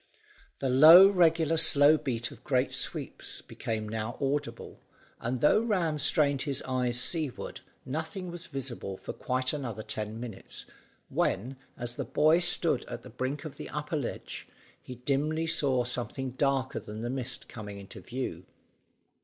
The low, regular, slow beat of great sweeps became now audible, but though Ram strained his eyes seaward, nothing was visible for quite another ten minutes, when, as the boy stood at the brink of the upper ledge he dimly saw something darker than the mist coming into view.